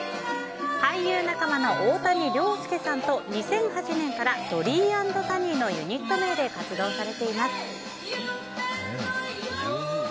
俳優仲間の大谷亮介さんと２００８年からＤｏｌｌｙ＆Ｔａｎｎｙのユニット名で活動されています。